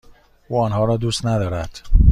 او آنها را دوست ندارد.